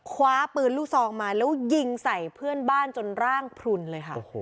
คว้าปืนลูกซองมาแล้วยิงใส่เพื่อนบ้านจนร่างพลุนเลยค่ะ